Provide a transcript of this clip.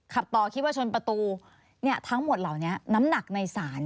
ขับต่อคิดว่าชนประตูทั้งหมดเหล่านี้น้ำหนักในศาล